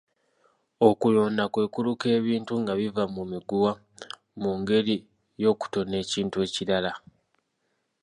Okuyonda kwe kuluka ebintu nga biva mu miguwa mu ngeri y’okutona ekintu ekirala.